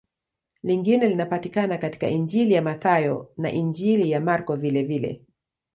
Lingine linapatikana katika Injili ya Mathayo na Injili ya Marko vilevile.